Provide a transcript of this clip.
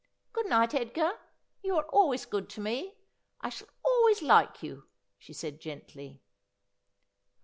' Good night, Edgar. You are always good to me. I shall always like you,' she said gently.